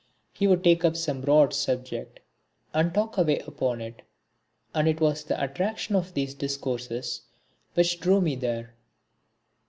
He would take up some broad subject and talk away upon it, and it was the attraction of these discourses which drew me there.